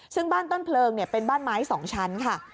ซึ่งบ้านต้นเพลิงเป็นบ้านไม้๒ชั้นค่ะ